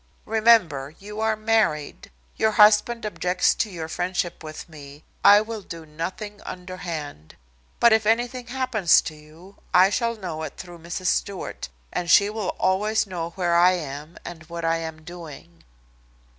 Remember, you are married. Your husband objects to your friendship with me. I will do nothing underhand. But if anything happens to you I shall know it through Mrs. Stewart, and she will always know where I am and what I am doing."